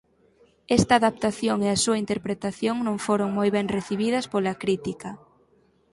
Esta adaptación e a súa interpretación non foron moi ben recibidas pola crítica.